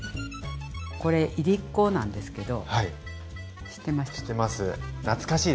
これいりこなんですけど知ってましたか？